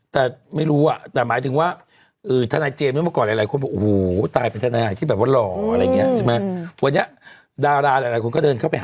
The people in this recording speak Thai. ต้องดูรูปธนายตั้มตอนนี้ธนายตั้มจะเป็นดาราแล้วค่ะตอนนี้